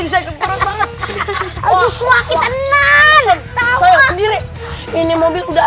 sekarang kita kejar mobilnya